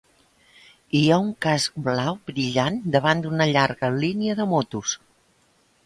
Hi ha un casc blau brillant davant d'una llarga línia de motos.